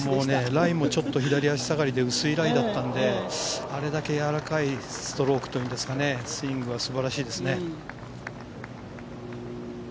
ライもちょっと左足下がりで薄いライだったのであれだけやわらかいストロークというかスイングは素晴らしいですね。